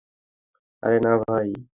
আরে না বাই।